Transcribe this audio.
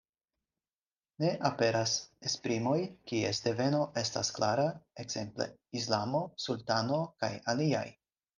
Ne aperas esprimoj, kies deveno estas klara, ekzemple islamo, sultano kaj aliaj.